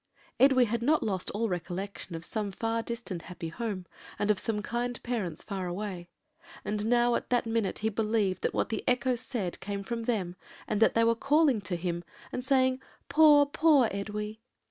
Edwy had not lost all recollection of some far distant happy home, and of some kind parents far away; and now at that minute he believed that what the echo said came from them, and that they were calling to him, and saying, 'Poor, poor Edwy!'